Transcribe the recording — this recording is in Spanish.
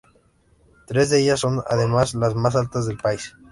Tres de ellas son, además, las más altas del país.